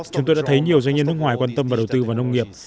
chúng tôi đã thấy nhiều doanh nhân nước ngoài quan tâm và đầu tư vào nông nghiệp